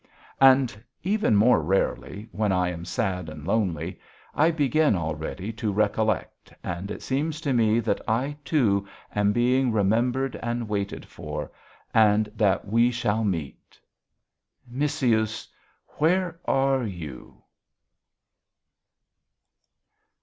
And even more rarely, when I am sad and lonely, I begin already to recollect and it seems to me that I, too, am being remembered and waited for, and that we shall meet.... Missyuss, where are you?